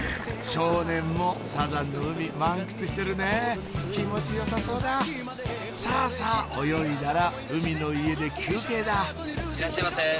少年もサザンの海満喫してるね気持ち良さそうださぁさぁ泳いだら海の家で休憩だいらっしゃいませ！